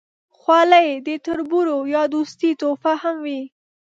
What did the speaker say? خولۍ د تربورۍ یا دوستۍ تحفه هم وي.